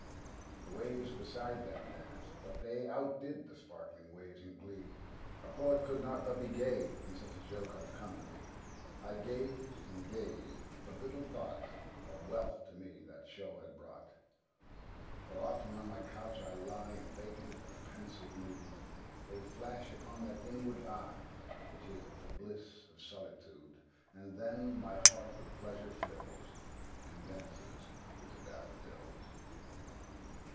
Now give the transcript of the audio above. The waves beside them danced; but they Outdid the sparkling waves in glee; A poet could not but be gay, In such a jocund company; I gazed and gazed but little thought What wealth to me the show had brought: For oft, when on my couch I lie In vacant or in pensive mood, They flash upon that inward eye Which is the bliss of solitude; And then my heart with pleasure fills, And dances with the daffodils.